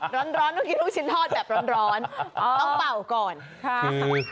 ร้อนต้องกินลูกชิ้นทอดแบบร้อนต้องเป่าก่อนค่ะ